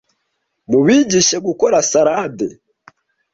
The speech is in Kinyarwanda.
Mubigishe gukora salade.